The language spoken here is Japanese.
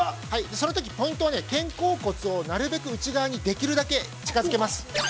◆そのときのポイントは、肩甲骨をなるべく内側に、できるだけ近づけます。